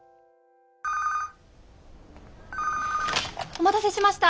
☎お待たせしました。